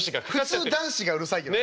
普通男子がうるさいけどね。